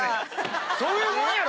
そういうもんやろ！